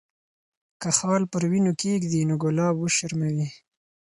که خال پر وینو کښېږدي، نو ګلاب وشرموي.